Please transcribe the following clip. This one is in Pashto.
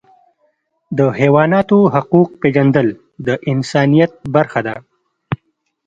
د حیواناتو حقوق پیژندل د انسانیت برخه ده.